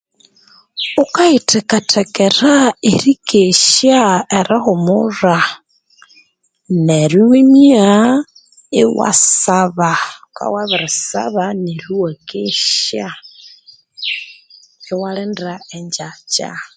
Wukayithekathekera erikesya erihumulha, neryo iwimyaaa iwasaba, wukabya iwabiri saba neryo iwakesya. Iwalinda engyakya.